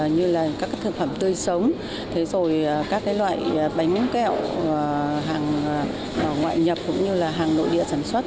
như là các thực phẩm tươi sống các loại bánh kẹo hàng ngoại nhập cũng như là hàng nội địa sản xuất